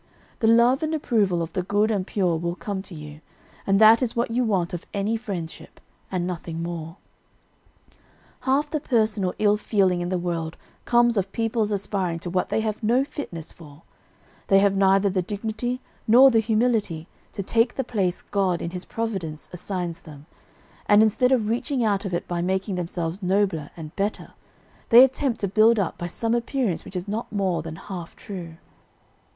The love and approval of the good and pure will come to you, and that is what you want of any friendship, and nothing more. "Half the personal ill feeling in the world comes of people's aspiring to what they have no fitness for; they have neither the dignity nor the humility to take the place God in His providence assigns them; and instead of reaching out of it by making themselves nobler and better, they attempt to build up by some appearance which is not more than half true.